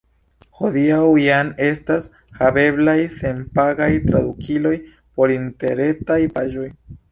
Hodiaŭ jam estas haveblaj senpagaj tradukiloj por interretaj paĝoj.